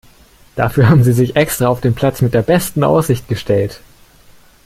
Dafür haben Sie sich extra auf den Platz mit der besten Aussicht gestellt.